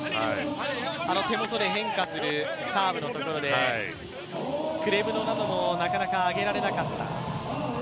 手元で変化するサーブのところで、クレブノなどもなかなか上げられなかった。